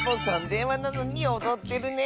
でんわなのにおどってるね。